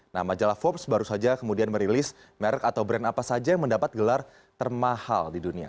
nah majalah forbes baru saja kemudian merilis merek atau brand apa saja yang mendapat gelar termahal di dunia